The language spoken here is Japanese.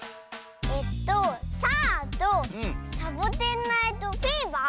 えっと「さあ！」と「サボテン・ナイト・フィーバー」？